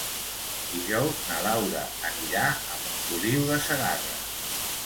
Dijous na Laura anirà a Montoliu de Segarra.